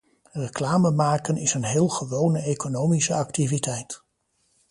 Reclame maken is een heel gewone economische activiteit.